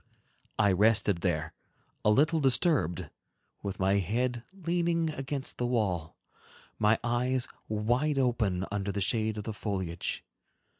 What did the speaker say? I rested there, a little disturbed, with my head leaning against the wall, my eyes wide open, under the shade of the foliage.